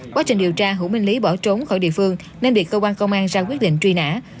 quá trình điều tra hữu minh lý bỏ trốn khỏi địa phương nên bị cơ quan công an ra quyết định truy nã